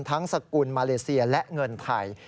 สกุลมาเลเซียและเงินไทย